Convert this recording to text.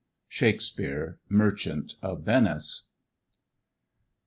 SHAKESPEARE, Merchant of Venice.